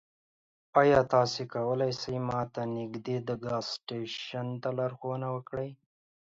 ایا تاسو کولی شئ ما ته نږدې د ګاز سټیشن ته لارښوونه وکړئ؟